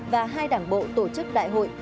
và hai đảng bộ tổ chức đại hội